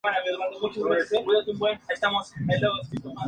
Joven era San Jerónimo cuando la recibió en Roma.